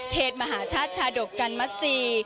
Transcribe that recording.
เพศมหาชาชาดกกันมัศศี